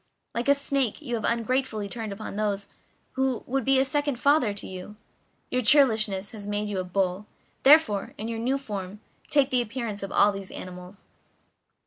Like a snake, you have ungratefully turned upon one who was a second father to you; your churlishness has made you like a bull. Therefore, in your new form, take the appearance of all these animals."